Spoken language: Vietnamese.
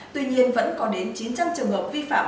tuy nhiên vẫn có đến chín trăm linh trường hợp vi phạm